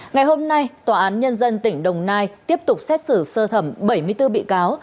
ngày hôm nay tòa án nhân dân tỉnh đồng nai tiếp tục xét xử sơ thẩm bảy mươi bốn bị cáo